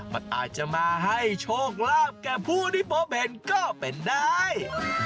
มันอาจจะมาให้โชคลาบแก่ภูินิโปเบนก็เป็นได้